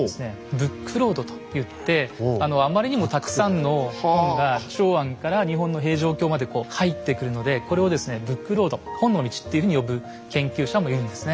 「ブックロード」と言ってあまりにもたくさんの本が長安から日本の平城京まで入ってくるのでこれをブックロード本の道っていうふうに呼ぶ研究者もいるんですね。